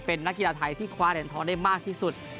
เป็นนักกีฬาไทยที่คว้าเหรียญทองได้มากที่สุด